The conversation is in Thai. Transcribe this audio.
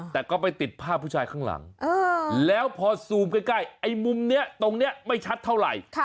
แต่ก็ไปติดภาพผู้ชายข้างหลังแล้วพอซูมใกล้ไอ้มุมนี้ตรงนี้ไม่ชัดเท่าไหร่